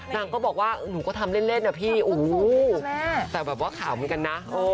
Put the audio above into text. นางก็บอกว่าหนูก็ทำเล่นนะพี่แต่แบบว่าข่าวเหมือนกันนะ